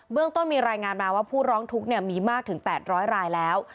เรื่องต้นมีรายงานมาว่าผู้ร้องทุกข์มีมากถึง๘๐๐รายแล้ว